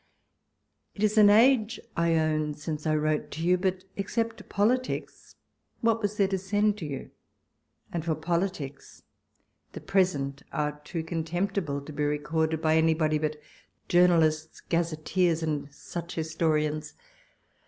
It is an age, I own, since I wrote to you : but except politics, what was there to send to youl and for politics, the present are too contemp tible to be recorded by anybody but journalists, gazetteers, and such historians